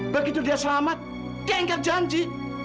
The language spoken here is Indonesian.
begitu dia selamat dia ingat janji